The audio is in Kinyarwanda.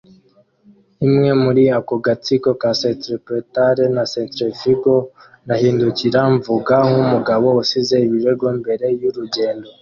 Imwe muri ako gatsiko ka centripetal na centrifugal ndahindukira mvuga nkumugabo usize ibirego mbere yurugendo.